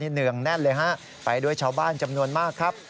เนื่องแน่นเลยฮะไปด้วยชาวบ้านจำนวนมากครับ